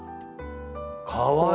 かわいい！